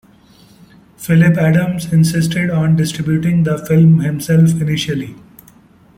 Philip Adams insisted on distributing the film himself initially.